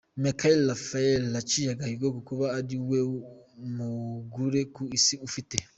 Mikel Ruffinelli yaciye agahigo ko kuba ari we mugure ku Isi ufite.